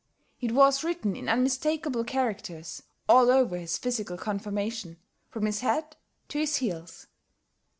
It was written in unmistakable characters all over his physical conformation, from his head to his heels.